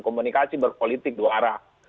komunikasi berpolitik dua arah